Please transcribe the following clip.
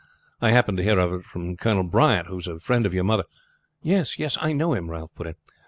I happened to hear of it from Colonel Bryant, who is a friend of your mother." "Yes, I know him," Ralph put in.